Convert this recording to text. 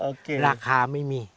rakyatnya tidak ada